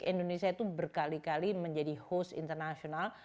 indonesia itu berkali kali menjadi host international